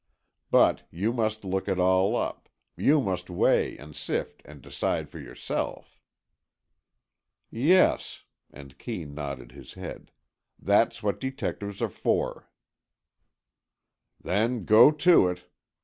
But you must look it all up, you must weigh and sift and decide for yourself." "Yes," and Kee nodded his head, "that's what detectives are for." "Then go to it.